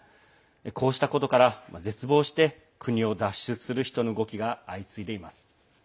こうしたことから絶望して国を脱出する人の動きが相次いでいます。